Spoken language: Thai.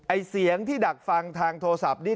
เสียงที่ดักฟังทางโทรศัพท์นี่